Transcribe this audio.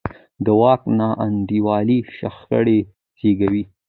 د واک ناانډولي شخړې زېږوي